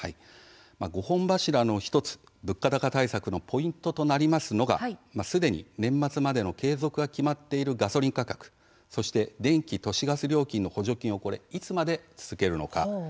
５本柱の１つ物価高対策のポイントとなりますのがすでに年末までの継続が決まっているガソリン価格そして電気、都市ガス料金の補助金をいつまで続けるのか。